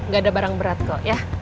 gak ada barang berat kok ya